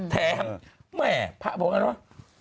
แถมพระบอกอย่างนั้นว่า